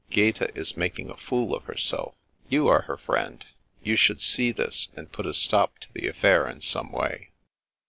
Gaeta is making a fool of herself. You are her friend. You should see this and put a stop to the affair in some way."